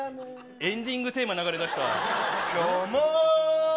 エンディングテーマ流れ出した。